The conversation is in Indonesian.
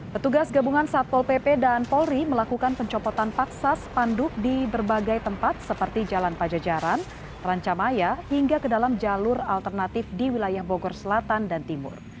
petugas gabungan satpol pp dan polri melakukan pencopotan paksa spanduk di berbagai tempat seperti jalan pajajaran rancamaya hingga ke dalam jalur alternatif di wilayah bogor selatan dan timur